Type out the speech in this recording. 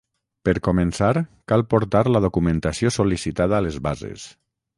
Per començar, cal portar la documentació sol·licitada a les bases